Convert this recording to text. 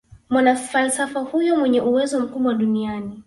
mwanafalsafa huyo mwenye uwezo mkubwa duniani